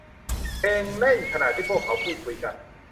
เพลงเล่นขณะที่พวกเขาพูดคุยกัน